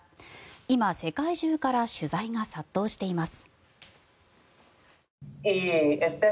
今、世界中から取材が殺到しています。